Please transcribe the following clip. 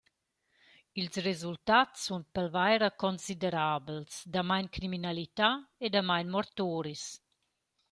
Ils resultats sun pelvaira considerabels: Damain criminalità e damain mortoris!